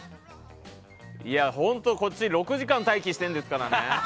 本当、こっち６時間待機してるんですからね。